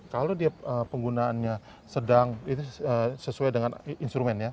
kalau dia penggunaannya sedang itu sesuai dengan instrumennya